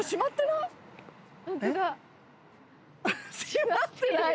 閉まってない？